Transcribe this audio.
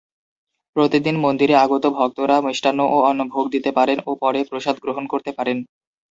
প্রতি দিন মন্দিরে আগত ভক্তরা মিষ্টান্ন ও অন্ন ভোগ দিতে পারেন ও পরে প্রসাদ গ্রহণ করতে পারেন।